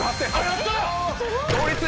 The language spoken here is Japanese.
やった！